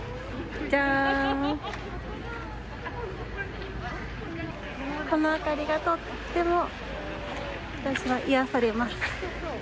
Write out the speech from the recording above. この明かりがとっても私は癒やされます。